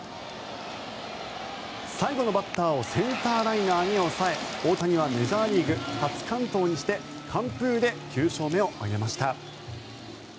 最後のバッターをセンターライナーに抑え大谷はメジャーリーグ初完投にして完封で９勝目を挙げました。